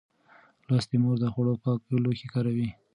لوستې مور د خوړو پاک لوښي کاروي.